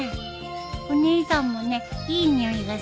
お姉さんもねいい匂いがするんだよ。